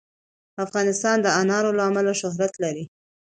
افغانستان د انار له امله شهرت لري.